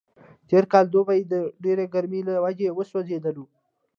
تېر کال دوبی د ډېرې ګرمۍ له وجې وسوځېدلو.